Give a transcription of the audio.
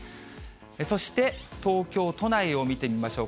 そして東京都内を見てみましょう。